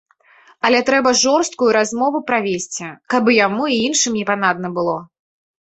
Але трэба жорсткую размову правесці, каб і яму, і іншым не панадна было.